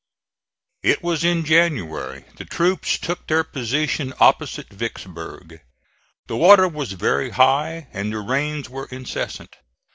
It was in January the troops took their position opposite Vicksburg. The water was very high and the rains were incessant.